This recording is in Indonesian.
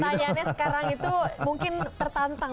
pertanyaannya sekarang itu mungkin tertantang